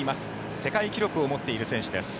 世界記録を持っている選手です。